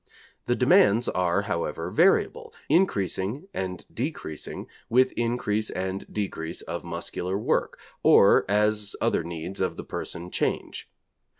The demands are, however, variable, increasing and decreasing with increase and decrease of muscular work, or as other needs of the person change.